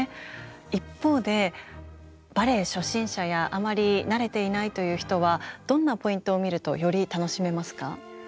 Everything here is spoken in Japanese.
一方でバレエ初心者やあまり慣れていないという人はどんなポイントを見るとより楽しめますか？